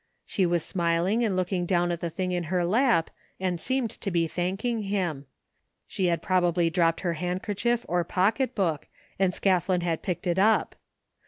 She was smiling and looking down at the thing in her lap and seemed to be thanking him. She had probably dropped her handkerchief or pocketbook afid Scathlin had picked it up.